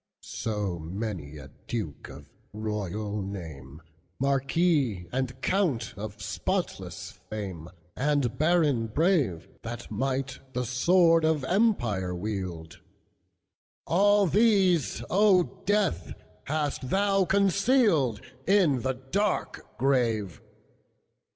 So many a duke of royal name, Marquis and count of spotless fame, And baron brave, That might the sword of empire wield, All these, O Death, hast thou concealedIn the dark grave!